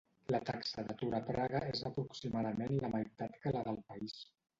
La taxa d'atur a Praga és aproximadament la meitat que la del país.